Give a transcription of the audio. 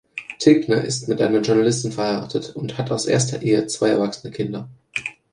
Tilgner ist mit einer Journalistin verheiratet und hat aus erster Ehe zwei erwachsene Kinder.